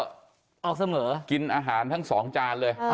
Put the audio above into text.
ทั้งทิศอาหารทั้ง๒จานเลยอื้อ